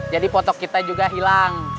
jadi potok kita juga hilang